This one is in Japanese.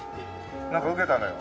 なんか受けたのよ。